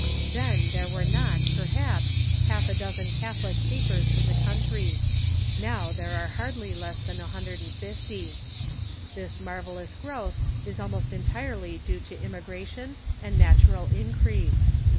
Then there were not, perhaps, half a dozen Catholic papers in the country ; now there are hardly less than 150. This marvellous growth is almost entire ly due to immigration and natural increase.